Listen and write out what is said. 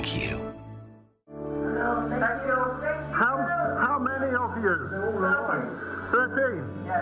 สิบสี่สิบสี่